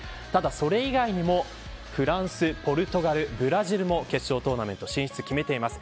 それ以外にもフランス、ポルトガルブラジルも決勝トーナメント進出を決めています。